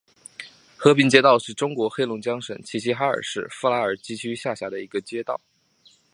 和平街道是中国黑龙江省齐齐哈尔市富拉尔基区下辖的一个街道。